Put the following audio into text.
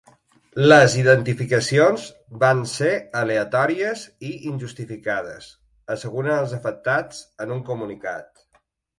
“Les identificacions van ser aleatòries i injustificades”, asseguren els afectats en un comunicat.